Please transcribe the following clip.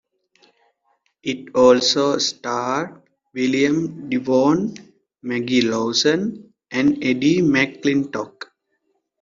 It also starred William Devane, Maggie Lawson and Eddie McClintock.